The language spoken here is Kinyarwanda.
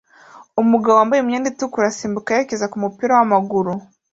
Umugabo wambaye imyenda itukura asimbuka yerekeza kumupira wamaguru